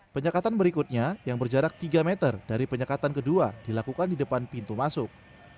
penyekatan berikutnya yang berjarak tiga meter dari penyekatan kedua dilakukan di depan pintu masuk